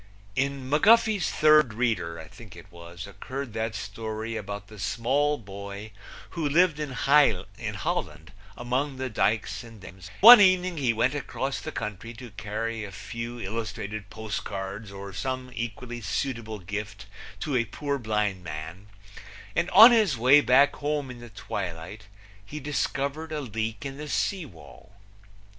In McGuffey's Third Reader, I think it was, occurred that story about the small boy who lived in Holland among the dikes and dams, and one evening he went across the country to carry a few illustrated post cards or some equally suitable gift to a poor blind man, and on his way back home in the twilight he discovered a leak in the sea wall.